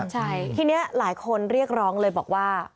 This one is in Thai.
ใช่ทีนี้หลายคนเรียกร้องเลยบอกว่า